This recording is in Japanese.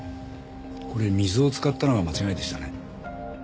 これ水を使ったのが間違いでしたね。